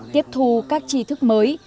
tiếp thu các tri thức mới